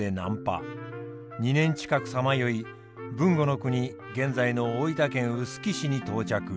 ２年近くさまよい豊後国現在の大分県臼杵市に到着。